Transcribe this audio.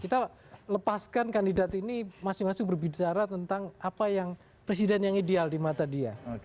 kita lepaskan kandidat ini masing masing berbicara tentang apa yang presiden yang ideal di mata dia